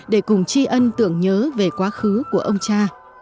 để cùng chi ân tượng nhớ về quá khứ của ông cha